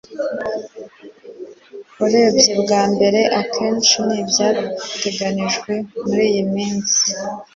urebye bwa mbere akenshi ni ibyateganijwe muriyi minsi